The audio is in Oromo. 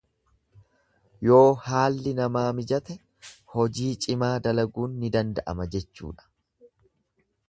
Yoo haalli namaa mijate hojii cimaa dalaguun ni danda'ama jechuudha.